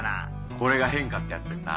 これが変化ってやつですな。